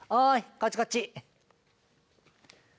こっちこっち。